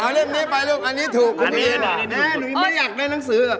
เอาเล่นนี้ไปลูกอันนี้ถูกคุณแม่แม่หนูไม่อยากได้หนังสือ